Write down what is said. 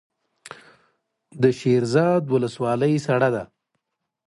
د شیرزاد ولسوالۍ سړه ده